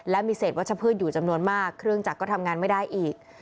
และมีเศษวัชพืชอยู่จำนวนมากเครื่องจักรก็ทำงานไม่ได้อีก